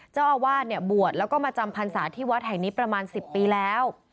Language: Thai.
เจ้าอาวาสเนี่ยบวชแล้วก็มาจำพรรษาที่วัดแห่งนี้ประมาณ๑๐ปีแล้ว